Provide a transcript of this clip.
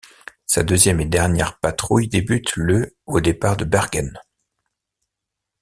Sa deuxième et dernière patrouille débute le au départ de Bergen.